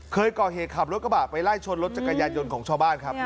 เคยก่อเหตุขับรถกระบะไปไล่ชนรถจักรยานยนต์ของชาวบ้านครับ